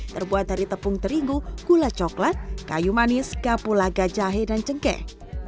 terbuat dari tepung terigu gula coklat kayu manis kapulaga jahe dan cengkeh